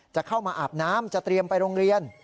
จะเข้ามาอาบน้ำจะเตรียมไปโรงเรียน